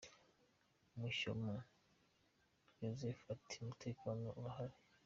Mushyoma Joseph ati, “umutekano wo urahari.